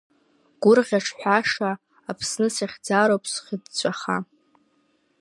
Гәырӷьаҿҳәаша, Аԥсны сахьӡароуп схьыҵәҵәаха.